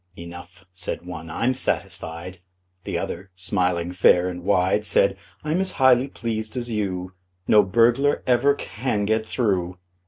"Enough," said one: "I'm satisfied." The other, smiling fair and wide, Said: "I'm as highly pleased as you: No burglar ever can get through.